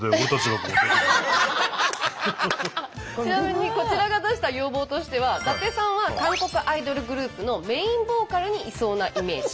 ちなみにこちらが出した要望としては伊達さんは韓国アイドルグループのメインボーカルにいそうなイメージ。